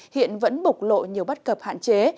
hiện vẫn bục lộ nhiều bắt cập hạn chế